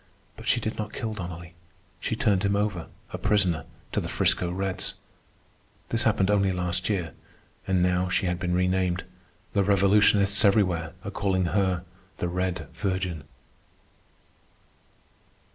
But she did not kill Donnelly. She turned him over, a prisoner, to the 'Frisco Reds. This happened only last year, and now she had been renamed. The revolutionists everywhere are calling her the "Red Virgin."